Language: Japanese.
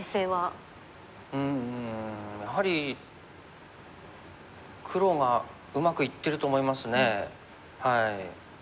うんやはり黒がうまくいってると思いますね。